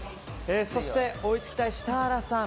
そして、追いつきたいシタラさん